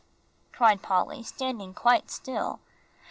cried Polly, standing quite still.